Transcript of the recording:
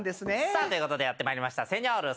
さあということでやって参りました。